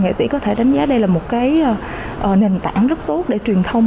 nghệ sĩ có thể đánh giá đây là một cái nền tảng rất tốt để truyền thông